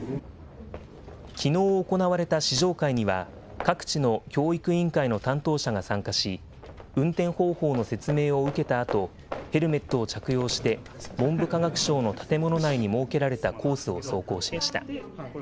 きのう行われた試乗会には、各地の教育委員会の担当者が参加し、運転方法の説明を受けたあと、ヘルメットを着用して、文部科学省の建物内に設けられたコースを走行しました。